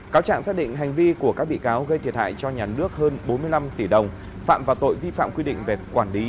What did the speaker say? cáo trạng xác định hành vi của các bị cáo gây thiệt hại cho nhà nước hơn bốn mươi năm tỷ đồng phạm vào tội vi phạm quy định về quản lý